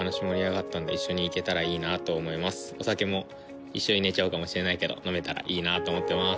お酒も一緒に寝ちゃうかもしれないけど飲めたらいいなと思ってます。